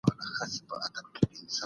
کلاسیک فکر پر زړو اصولو ولاړ و.